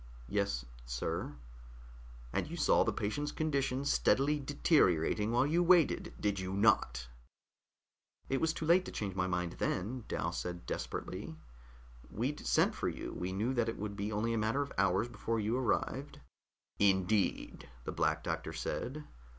"Yes, sir." "And you saw the patient's condition steadily deteriorating while you waited, did you not?" "It was too late to change my mind then," Dal said desperately. "We'd sent for you. We knew that it would be only a matter of hours before you arrived." "Indeed," the Black Doctor said.